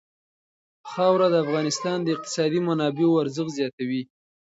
خاوره د افغانستان د اقتصادي منابعو ارزښت زیاتوي.